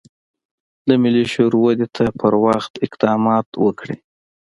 د ملي شعور ودې ته پر وخت اقدامات وکړي.